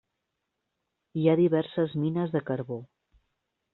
Hi ha diverses mines de carbó.